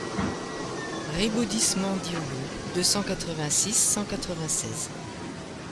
Ribauldissemens Diolot deux cent cinquante-six cent quatre-vingt-seize.